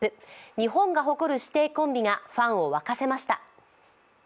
日本が誇る師弟コンビがファンを沸かせました。